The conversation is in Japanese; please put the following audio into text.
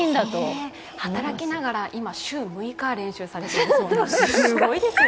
働きながら今、週６日、練習されているそうです。